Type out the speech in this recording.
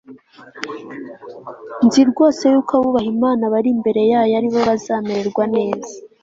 nzi rwose yuko abubaha imana bari imbere yayo ari bo bazamererwa neza